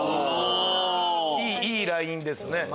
いいラインですね。